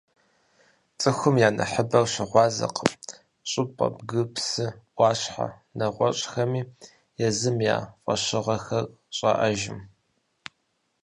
Цӏыхум я нэхъыбэр щыгъуазэкъым щӏыпӏэ, бгы, псы, ӏуащхьэ, нэгъуэщӏхэми езым я фӏэщыгъэхэр щӏаӏэжым.